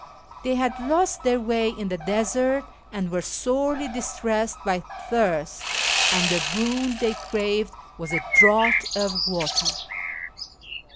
They had lost their way in the desert and were sorely distressed by thirst, and the boon they craved was a draught of water.